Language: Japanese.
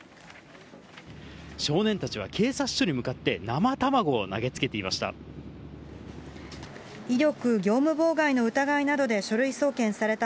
少年たちは警察署に向かって、生卵を投げつけていました。